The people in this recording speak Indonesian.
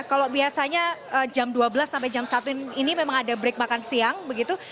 kalau biasanya jam dua belas sampai jam satu ini memang ada break makan siang begitu